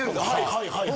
はいはい。